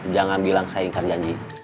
jangan bilang saya ingkar janji